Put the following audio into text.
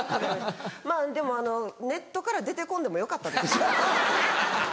まぁでもあのネットから出て来んでもよかったですよね。